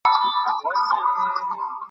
বন্দী কিরূপে পলাইল তাহার বিচারের জন্য সভা বসিল।